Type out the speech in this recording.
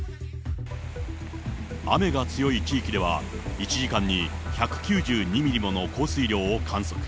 雨が強い地域では、１時間に１９２ミリもの降水量を観測。